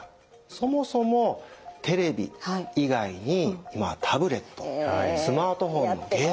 そもそもテレビ以外にまあタブレットスマートフォンのゲーム